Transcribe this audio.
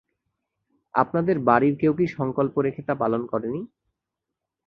আপনাদের বাড়ির কেউ কি সঙ্কল্প রেখে তা পালন করেনি?